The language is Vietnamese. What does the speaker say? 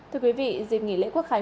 thưa quý vị dịp nghỉ lễ quốc khái